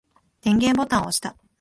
電源ボタンを押した。